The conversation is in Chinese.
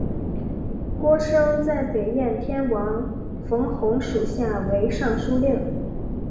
郭生在北燕天王冯弘属下为尚书令。